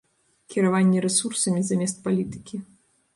Кіраванне рэсурсамі замест палітыкі.